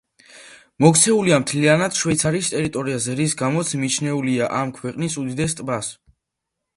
მოქცეულია მთლიანად შვეიცარიის ტერიტორიაზე, რის გამოც მიჩნეულია ამ ქვეყნის უდიდეს ტბას.